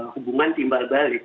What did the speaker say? hubungan timbal balik